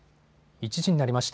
１時になりました。